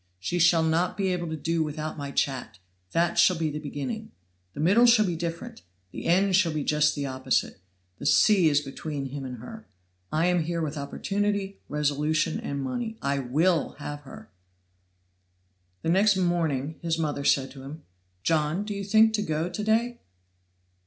She shall not be able to do without my chat; that shall be the beginning; the middle shall be different; the end shall be just the opposite. The sea is between him and her. I am here with opportunity, resolution and money. I will have her!" The next morning his mother said to him: "John, do you think to go to day?"